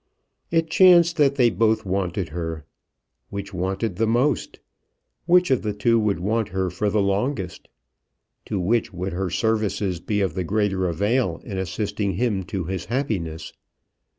It chanced that they both wanted her. Which wanted the most? Which of the two would want her for the longest? To which would her services be of the greater avail in assisting him to his happiness.